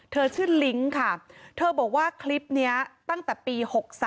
เธอชื่อลิงก์ค่ะเธอบอกว่าคลิปนี้ตั้งแต่ปี๖๓